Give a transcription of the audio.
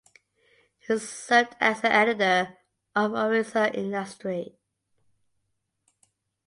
He served as the editor of Orissa Industry.